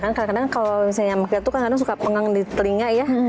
kan kadang kadang kalau misalnya yang pake itu suka pengang di telinga ya